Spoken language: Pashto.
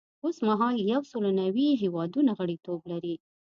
اوس مهال یو سل او یو نوي هیوادونه غړیتوب لري.